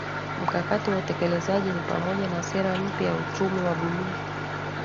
Mkakati wa Utekelezaji ni pamoja na Sera mpya ya Uchumi wa Buluu